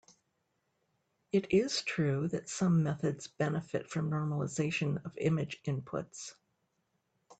It is true that some methods benefit from normalization of image inputs.